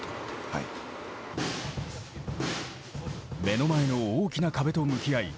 目の前の大きな壁と向き合い